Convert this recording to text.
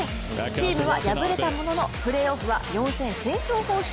チームは敗れたもののプレーオフは４勝先勝方式。